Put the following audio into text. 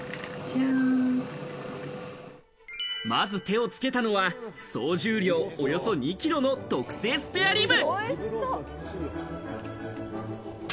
まず手をつけたのは総重量およそ２キロの特製スペアリブ。